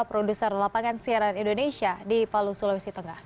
produser lapangan siaran indonesia di palu sulawesi tengah